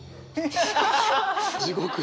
地獄。